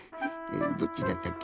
どっちだったっけ？